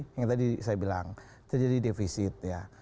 yang tadi saya bilang terjadi defisit ya